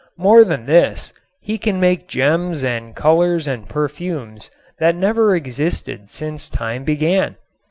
More than this, he can make gems and colors and perfumes that never existed since time began.